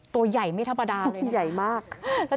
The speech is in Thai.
ตัวใหญ่ไม่ธรรมดาเลย